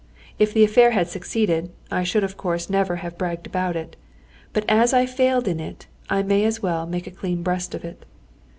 If the affair had succeeded, I should of course never have bragged about it; but as I failed in it, I may as well make a clean breast of it.